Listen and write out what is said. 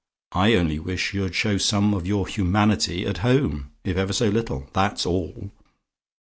I only wish you'd show some of your humanity at home, if ever so little that's all.